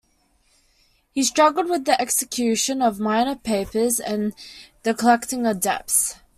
He struggled with the execution of minor papers and the collecting of debts.